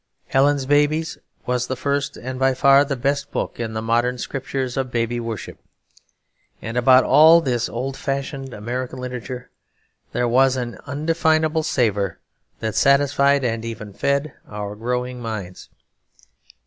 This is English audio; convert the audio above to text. Helen's Babies was the first and by far the best book in the modern scriptures of baby worship. And about all this old fashioned American literature there was an undefinable savour that satisfied, and even fed, our growing minds.